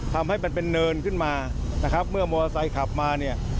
ทำให้มันเป็นเนินขึ้นมานะครับเมื่อมอเตอร์ไซค์ขับมาเนี่ย